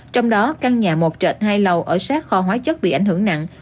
trong đó căn nhà một trệt hai lầu ở sát kho hóa chất bị ảnh hưởng nặng